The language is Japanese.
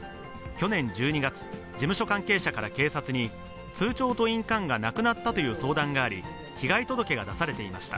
去年１２月、事務所関係者から警察に、通帳と印鑑がなくなったという相談があり、被害届が出されていました。